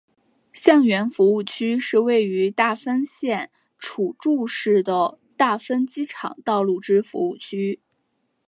相原服务区是位于大分县杵筑市的大分机场道路之服务区。